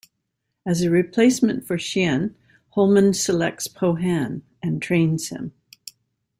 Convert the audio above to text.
As a replacement for Chien, Holman selects Po-Han, and trains him.